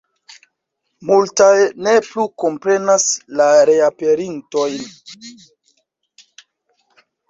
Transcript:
Multaj ne plu komprenas la reaperintojn.